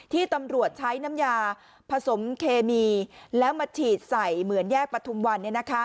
ที่ตำรวจใช้น้ำยาผสมเคมีแล้วมาฉีดใส่เหมือนแยกประทุมวัน